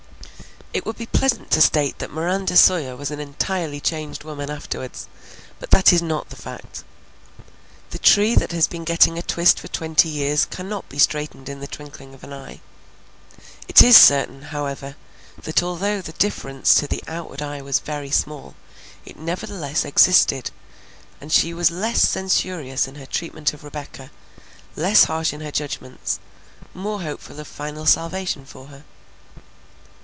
It would be pleasant to state that Miranda Sawyer was an entirely changed woman afterwards, but that is not the fact. The tree that has been getting a twist for twenty years cannot be straightened in the twinkling of an eye. It is certain, however, that although the difference to the outward eye was very small, it nevertheless existed, and she was less censorious in her treatment of Rebecca, less harsh in her judgments, more hopeful of final salvation for her.